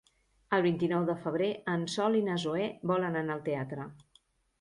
El vint-i-nou de febrer en Sol i na Zoè volen anar al teatre.